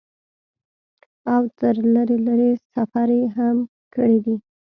او تر لرې لرې سفرې هم کړي دي ۔